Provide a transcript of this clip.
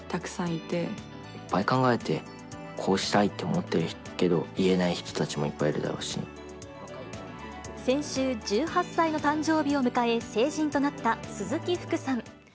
いっぱい考えて、こうしたいって思ってるけど、言えない人たちもいっぱいいるだ先週、１８歳の誕生日を迎え、成人となった鈴木福さん。